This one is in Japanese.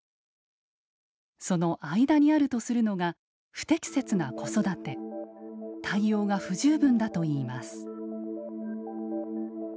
その間にあるとするのが対応が不十分だといいます。